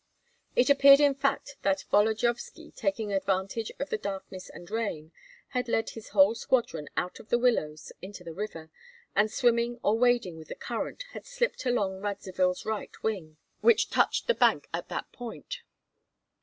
It appeared in fact that Volodyovski, taking advantage of the darkness and rain, had led his whole squadron out of the willows into the river, and swimming or wading with the current had slipped along Radzivill's right wing, which touched the bank at that point.